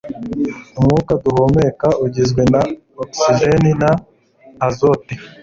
umwuka duhumeka ugizwe na ogisijeni na azote